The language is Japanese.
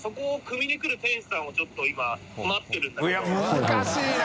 い難しいな！